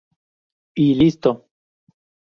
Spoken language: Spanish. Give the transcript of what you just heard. Y listo